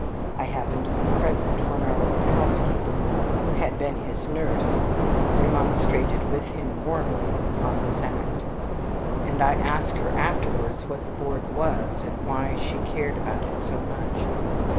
I happened to be present when our old housekeeper, who had been his nurse, remonstrated with him warmly upon this act; and I asked her afterwards what the board was, and why she cared about it so much.